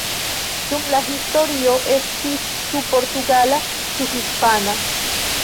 Dum la historio estis ĉu portugala ĉu hispana.